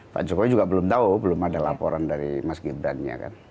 pak jokowi juga belum tahu belum ada laporan dari mas gibran nya kan